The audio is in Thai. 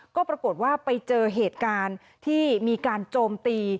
ก็ปรากฏว่าไปเจอเหตุการณ์ที่มีการโจมตี